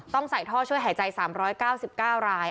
ใส่ท่อช่วยหายใจ๓๙๙ราย